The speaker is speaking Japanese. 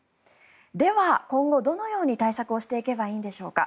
では今後、どのように対策をしていけばいいんでしょうか。